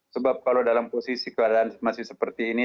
sebab kalau dalam posisi keadaan masih seperti ini